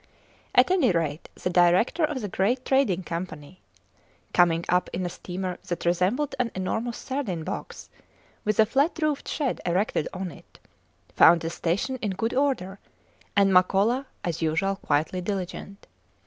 At any rate the director of the Great Trading Company, coming up in a steamer that resembled an enormous sardine box with a flat roofed shed erected on it, found the station in good order, and Makola as usual quietly diligent.